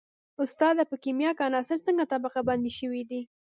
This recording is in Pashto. استاده په کیمیا کې عناصر څنګه طبقه بندي شوي دي